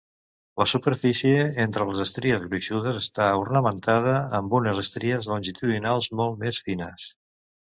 La superfície entre les estries gruixudes està ornamentada amb unes estries longitudinals molt més fines.